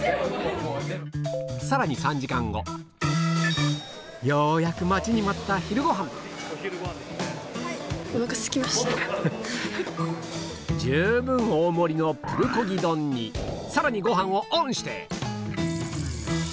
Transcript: さらにようやく待ちに待った十分大盛りのプルコギ丼にさらにご飯をオンして！